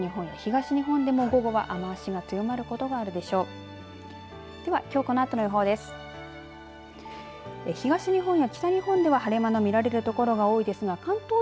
北日本や東日本でも午後は雨足が強まることが皆さんこんにちは。